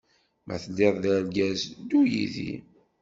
Ma teliḍ d-argaz ddu yidi.